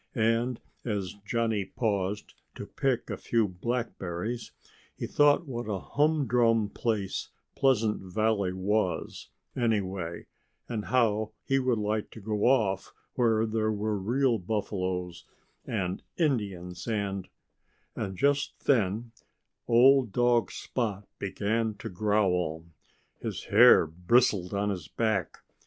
And as Johnnie paused to pick a few blackberries he thought what a humdrum place Pleasant Valley was, anyway, and how he would like to go off where there were real buffaloes, and Indians, and And just then old dog Spot began to growl. His hair bristled on his back.